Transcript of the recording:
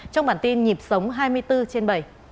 trong bản tin nhịp sống hai mươi bốn trên bảy